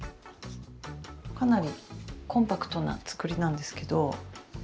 かなりコンパクトな造りなんですけど。